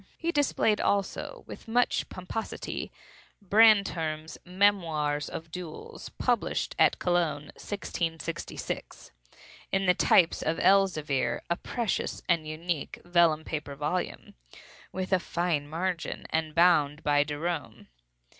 He displayed, also, with much pomposity, Brantome's "Memoirs of Duels," published at Cologne, 1666, in the types of Elzevir—a precious and unique vellum paper volume, with a fine margin, and bound by Derome.